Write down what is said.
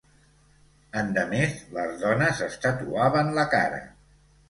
Endemés, les dones es tatuaven la cara.